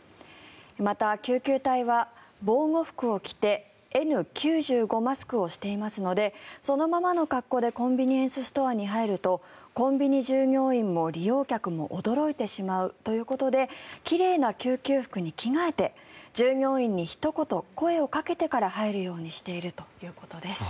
また救急隊は防護服を着てＮ９５マスクをしていますのでそのままの格好でコンビニエンスストアに入るとコンビニ従業員も利用客も驚いてしまうということで奇麗な救急服に着替えて従業員にひと言、声をかけてから入るようにしているということです。